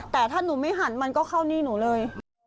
แต่ถ้าหนูไม่หันมันก็เข้านี่หนูเลย